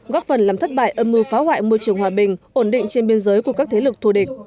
góp phần làm thất bại âm mưu phá hoại môi trường hòa bình ổn định trên biên giới của các thế lực thù địch